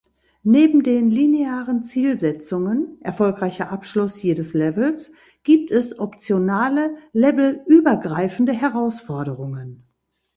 Neben den linearen Zielsetzungen (erfolgreicher Abschluss jedes Levels) gibt es optionale levelübergreifende Herausforderungen.